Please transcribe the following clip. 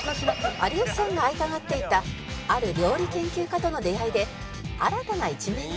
有吉さんが会いたがっていたある料理研究家との出会いで新たな一面が